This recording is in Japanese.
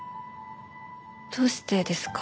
どうしてですか？